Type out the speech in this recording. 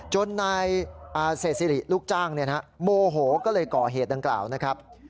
จนนายเศษสิริลูกจ้างโมโหก็เลยก่อเหตุดังกล่าวนะครับ